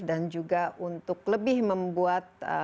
dan juga untuk lebih membuat